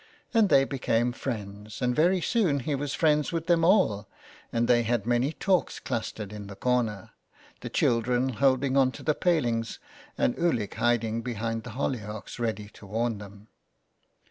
And they became friends, and very soon he was friends with them all, and they had many talks clustered in the corner, the children holding on to the palings, and Ulick hiding behind the hollyhocks ready to warn them.